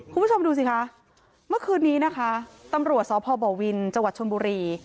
คุณผู้ชมดูสิคะเมื่อคืนนี้นะคะตำรวจสพบวินจังหวัดชนบุรี